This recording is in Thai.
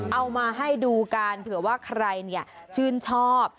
เอามาให้ดูกันเผื่อว่าใครชื่นชอบ